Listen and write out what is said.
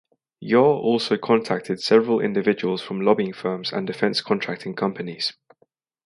Yeo also contacted several individuals from lobbying firms and defence contracting companies.